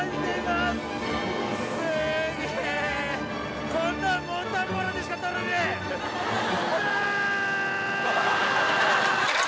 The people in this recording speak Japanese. すげえ！